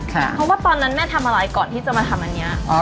เพราะว่าตอนนั้นแม่ทำอะไรก่อนที่จะมาทำอันนี้